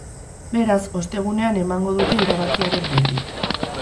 Beraz, ostegunean emango dute erabakiaren berri.